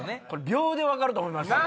秒で分かると思いますよ。